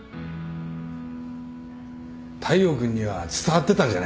大陽君には伝わってたんじゃないかな。